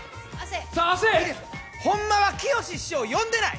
ほんまはきよし師匠を呼んでない！